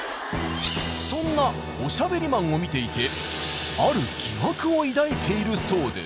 そんなおしゃべりマンを見ていてある疑惑を抱いているそうです。